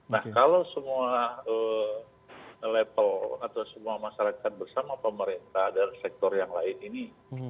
nah kalau semua level atau semua masyarakat bersama pemerintah dan sektor yang lain ini